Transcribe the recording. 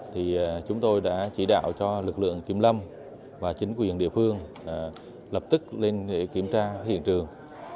thì chúng tôi đã chỉ đạo cho lực lượng kiểm lâm và chính quyền địa phương lập tức lên để kiểm tra hiện trường